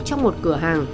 trong một cửa hàng